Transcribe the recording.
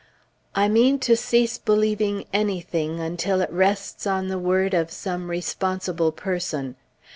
I mean to cease believing anything, unless it rests on the word of some responsible person.